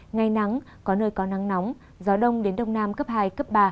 ngày nắng có nơi có nắng nóng gió đông đến đông nam cấp hai cấp ba